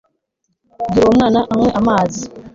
bwira uwo mwana anywe amazi